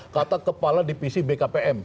kata kepala divisi bkpm